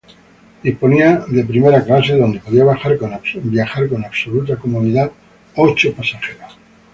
Disponía de primera clase, donde podían viajar con absoluta comodidad ocho pasajeros.